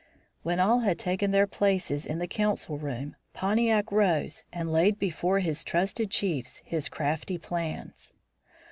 When all had taken their places in the council room Pontiac rose and laid before his trusted chiefs his crafty plans.